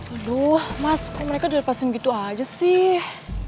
aduh mas kok mereka udah lepasin gitu aja sih